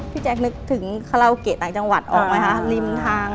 แจ๊คนึกถึงคาราโอเกะต่างจังหวัดออกไหมคะริมทาง